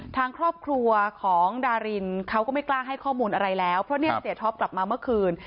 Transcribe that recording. ทางครอบครัวของดารินเขาก็ไม่กล้าให้ข้อมูลอะไรแล้วเพราะเนี่ยเสียท็อปกลับมาเมื่อคืน